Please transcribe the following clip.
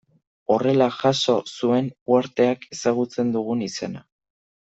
Horrela jaso zuen uharteak ezagutzen dugun izena.